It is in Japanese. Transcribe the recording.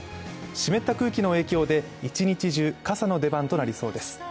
湿った空気の影響で一日中傘の出番となりそうです。